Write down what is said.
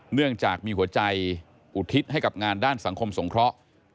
เนื่องจากมีหัวใจอุทิศให้กับงานด้านสังคมสงเคราะห์